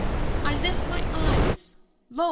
I lift my eyes; Lo!